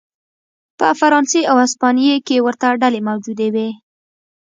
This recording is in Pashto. په فرانسې او هسپانیې کې ورته ډلې موجود وې.